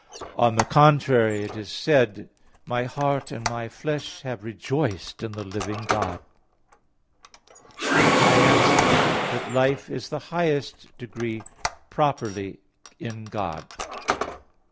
On the contrary, It is said (Ps. 83:3): "My heart and my flesh have rejoiced in the living God." I answer that, Life is in the highest degree properly in God.